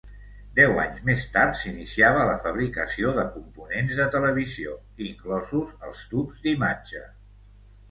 Deu anys més tard s'iniciava la fabricació de components de televisió, inclosos els tubs d'imatge.